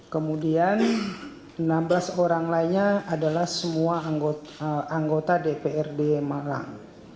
kemudian enam belas orang lainnya adalah semua anggota dprd malang